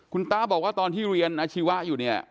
คุณตาบอกว่าตอนที่เรียนอาชีวะอยู่เนี่ย